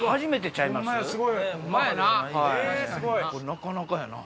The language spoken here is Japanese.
なかなかやな。